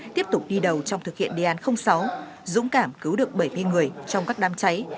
tiếp tục đi đầu trong thực hiện đề án sáu dũng cảm cứu được bảy mươi người trong các đám cháy